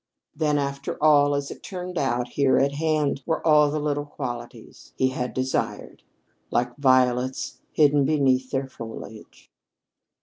Then, after all, as it turned out, here at hand were all the little qualities, he had desired, like violets hidden beneath their foliage.